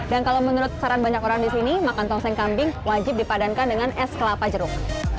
kalau menurut saran banyak orang di sini makan tongseng kambing wajib dipadankan dengan es kelapa jeruk